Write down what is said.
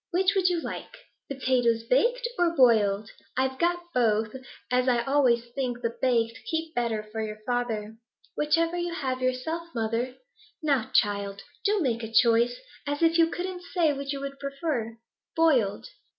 Which would you like, potatoes baked or boiled? I've got both, as I always think the baked keep better for your father.' 'Whichever you have yourself, mother.' 'Now, child, do make a choice! As if you couldn't say which you would prefer.' 'Boiled.'